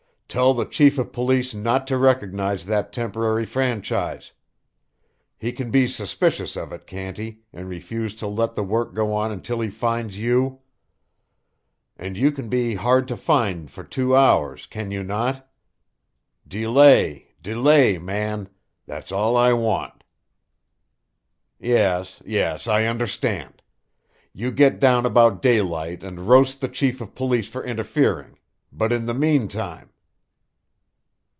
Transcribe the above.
Tell the chief of police not to recognize that temporary franchise. He can be suspicious of it, can't he, and refuse to let the work go on until he finds you? And you can be hard to find for two hours, can you not? Delay, delay, man! That's all I want... Yes, yes, I understand. You get down about daylight and roast the chief of police for interfering, but in the meantime!...